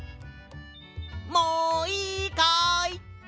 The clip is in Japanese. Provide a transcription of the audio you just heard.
もういいかい！